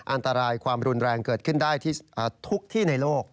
อันตรายความรุนแรงเกิดขึ้นได้ทุกที่ในโลก